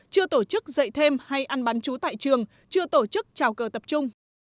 chưa tổ chức dậy thêm hay ăn bán chú tại trường chưa tổ chức chào cơ tập trung